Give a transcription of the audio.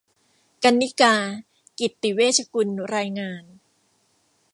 กรรณิการ์ กิจติเวชกุล รายงาน